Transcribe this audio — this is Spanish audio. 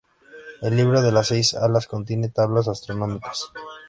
El Libro de las seis alas contiene tablas astronómicas.